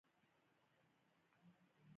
دا د چین نړیوال لید دی.